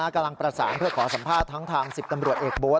กำลังประสานเพื่อขอสัมภาษณ์ทั้งทาง๑๐ตำรวจเอกโบ๊ท